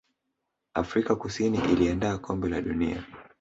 afrika kusini iliandaa kombe la dunia